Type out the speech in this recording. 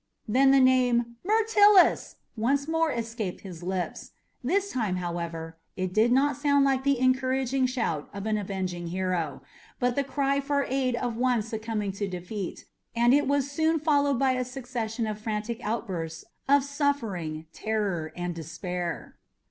Then the name "Myrtilus!" once more escaped his lips; this time, however, it did not sound like the encouraging shout of an avenging hero, but the cry for aid of one succumbing to defeat, and it was soon followed by a succession of frantic outbursts of suffering, terror, and despair.